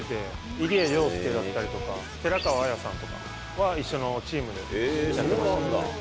入江陵介だったりだとか、寺川綾さんとかは一緒のチームでやってました。